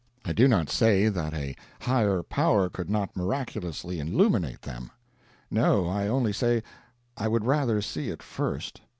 I do not say that a Higher Power could not miraculously illuminate them. No, I only say I would rather see it first.